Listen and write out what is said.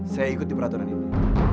saya ikuti peraturan ini